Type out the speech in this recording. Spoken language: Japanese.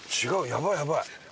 やばいやばい！